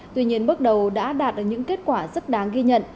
tuy nhiên bước đầu đã đạt được những kết quả rất đáng ghi nhận